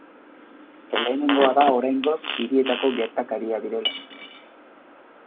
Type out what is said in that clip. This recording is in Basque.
Lehenengoa da oraingoz hirietako gertakaria direla.